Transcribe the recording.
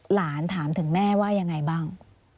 หลานถามถึงแม่ว่ายังไงบ้าง